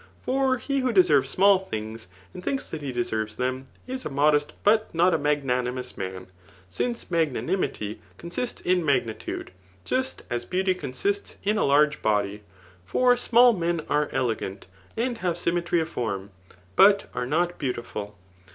For he who deserves smalt things, and thinks that he deserves them, is a modest, but not a magnanimous man ; since magnanimity con sists in magnitude, just as beauty consists in a large body ; for small men are elegant, and have symmetry of form, but are not beautiful.